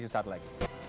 di saat lain